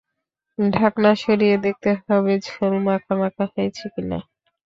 ঢাকনা সরিয়ে দেখতে হবে ঝোল মাখা মাখা হয়েছে কি না।